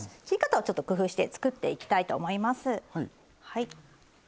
切り方をちょっと工夫して作っていきたいと思います。